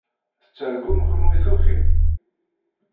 Tettargum, kenwi tukim?